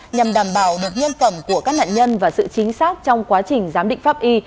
nhằm đảm bảo một nhân phẩm của các nạn nhân và sự chính xác trong quá trình giám định pháp y